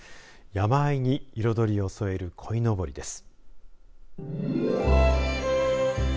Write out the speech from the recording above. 山あいに彩りを添えるこいのぼりです。